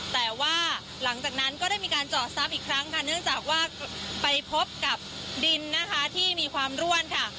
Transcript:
แต่ว่าหลังจากนั้นก็ได้มีการเจาะซ้ำอีกครั้งค่ะเนื่องจากว่าไปพบกับดินนะคะที่มีความร่วนค่ะ